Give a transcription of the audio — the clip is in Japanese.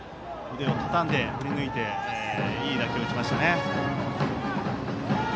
腕をたたんで振り抜いていい打球を打ちました。